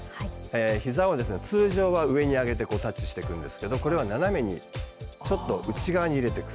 ひざを通常は上に上げてタッチしていくんですけどこれは斜めにちょっと内側に入れていく。